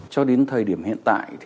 cho đến thời điểm hiện tại